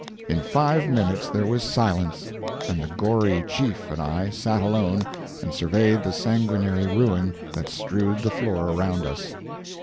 In five minutes there was silence, and the gory chief and I sat alone and surveyed the sanguinary ruin that strewed the floor around us.